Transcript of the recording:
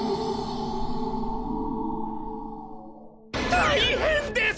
大変です！